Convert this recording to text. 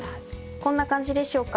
こんな感じでしょうか？